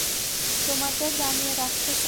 তোমাদের জানিয়ে রাখতে চাই।